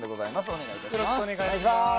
お願いいたします。